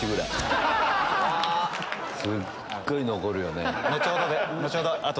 すっごい残るよね。